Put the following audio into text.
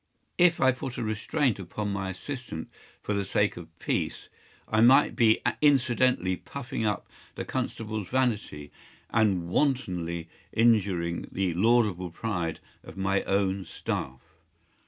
If I put a restraint on my assistant for the sake of peace, I might be incidentally puffing up the constable’s vanity, and wantonly injuring the laudable pride of my own staff.